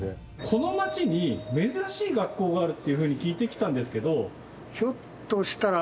この町に珍しい学校があるっていうふうに聞いてきたんですけど。